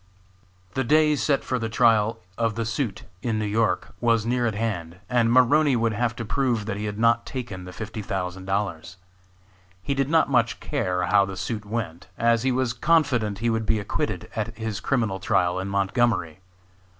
The day set for the trial of the suit in New York was near at hand, and Maroney would have to prove that he had not taken the fifty thousand dollars. He did not much care how the suit went, as he was confident he would be acquitted at his criminal trial in Montgomery.